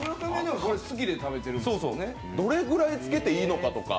どれぐらいつけていいかとか。